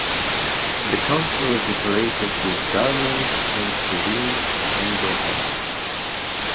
The console is decorated with garlands and two winged angel heads.